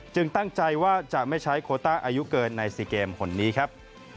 ตั้งใจว่าจะไม่ใช้โคต้าอายุเกินใน๔เกมคนนี้ครับ